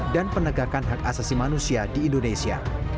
dan penegakan hak asasi manusia di indonesia